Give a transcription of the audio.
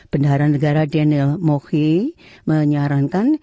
pendahara negara daniel moche menyarankan